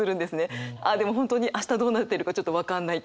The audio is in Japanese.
あっでも本当に明日どうなってるかちょっと分かんないって。